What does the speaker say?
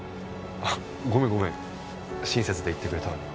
ごめんごめん親切で言ってくれたのに。